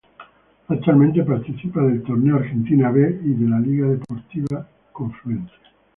Actualmente participa del Torneo Argentino B y de la Liga Deportiva Confluencia.